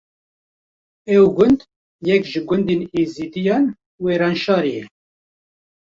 Ev gund yek ji gundên êzîdiyên Wêranşarê ye.